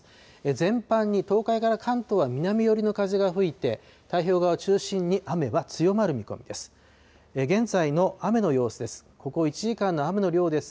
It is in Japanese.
全般に東海から関東は南寄りの風が吹いて、太平洋側を中心に雨は強まる見込みです。